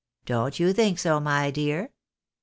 Don't you think so, my dear ?